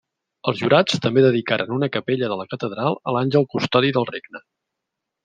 Els jurats també dedicaren una capella de la catedral a l'Àngel Custodi del Regne.